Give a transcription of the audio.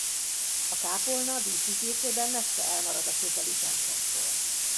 A kápolna díszítésében messze elmarad a közeli templomtól.